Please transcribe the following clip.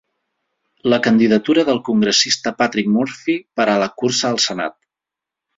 La candidatura del congressista Patrick Murphy per a la cursa al senat.